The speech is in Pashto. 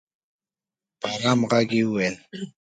په ارام ږغ یې وویل